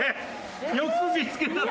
よく見つけたな。